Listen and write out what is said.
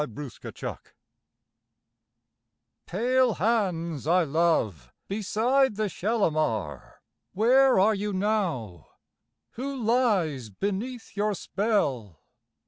Kashmiri Song Pale hands I love beside the Shalimar, Where are you now? Who lies beneath your spell?